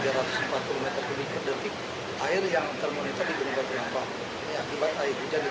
jangan lebih tiga ratus empat puluh m dua air yang termonetik di gunung katulampa akibat air hujan di